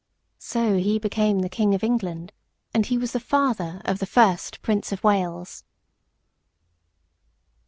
So he became King of England, and he was the father of the first Prince of Wales.